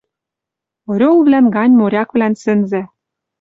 Орелвлӓн гань моряквлӓн сӹнзӓ.